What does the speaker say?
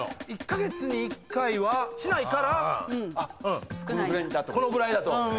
１カ月に１回はしないからこのぐらいだと。